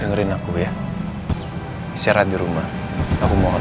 dengerin aku ya isi rahat di rumah aku mohon